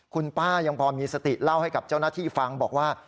คุณป้ายังพอมีสติเล่าให้กับเจ้าหน้าที่ฟังบอกว่า